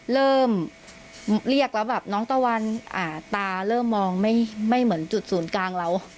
เริ่มเรียกแล้วแบบน้องตะวันตาเริ่มมองไม่เหมือนจุดศูนย์กลางเรา